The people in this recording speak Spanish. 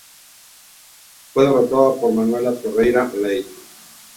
Fue derrotado por Manuela Ferreira Leite.